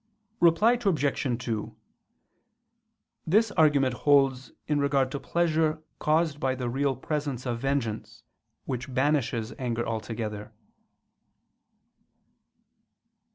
Reply Obj. 2: This argument holds in regard to pleasure caused by the real presence of vengeance, which banishes anger altogether.